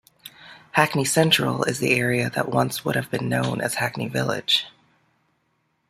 Hackney Central is the area that once would have been known as Hackney Village.